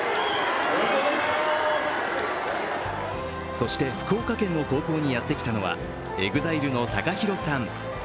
そして、福岡県の高校にやってきたのはＥＸＩＬＥのＴＡＫＡＨＩＲＯさん。